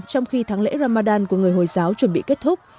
trong khi tháng lễ ramadan của người hồi giáo chuẩn bị kết thúc